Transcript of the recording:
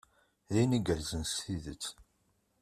D ayen igerrzen s tidet.